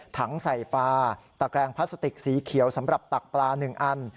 ใส่ปลาตะแกรงพลาสติกสีเขียวสำหรับตักปลา๑อัน